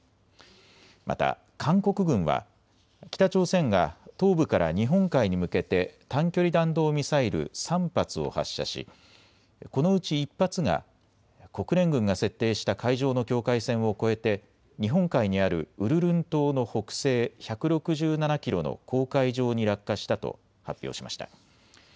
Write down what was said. また韓国軍は北朝鮮が東部から日本海に向けて短距離弾道ミサイル３発を発射し、このうち１発が国連軍が設定した海上の境界線を越えて日本海にあるウルルン島の北西１６７キロの公海上に落下したと発表しました。